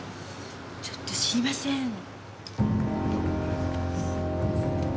ちょっと知りません。